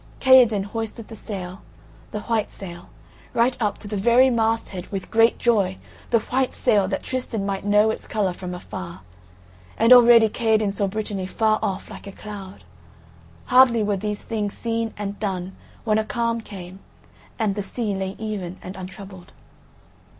Kaherdin hoisted the sail, the white sail, right up to the very masthead with great joy; the white sail, that Tristan might know its colour from afar: and already Kaherdin saw Britanny far off like a cloud. Hardly were these things seen and done when a calm came, and the sea lay even and untroubled.